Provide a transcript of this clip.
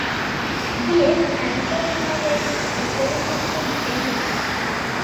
Biek arazorik gabe aukeratu dute materiala.